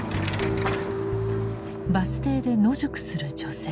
バス停で野宿する女性。